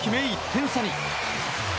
１点差に。